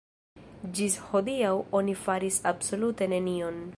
Ĝis hodiaŭ oni faris absolute nenion.